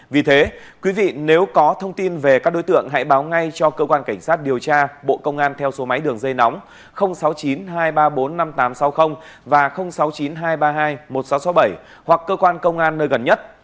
vì thế quý vị nếu có thông tin về các đối tượng hãy báo ngay cho cơ quan cảnh sát điều tra bộ công an theo số máy đường dây nóng sáu mươi chín hai trăm ba mươi bốn năm nghìn tám trăm sáu mươi và sáu mươi chín hai trăm ba mươi hai một nghìn sáu trăm sáu mươi bảy hoặc cơ quan công an nơi gần nhất